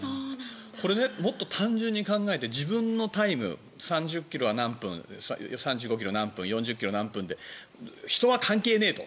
これもっと単純に考えて自分のタイム３０ｋｍは何分３５ｋｍ何分、４０ｋｍ何分って人は関係ねえと。